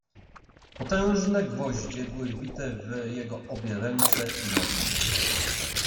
"Potężne gwoździe były wbite w jego obie ręce i nogi."